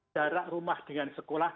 jarak rumah dengan sekolah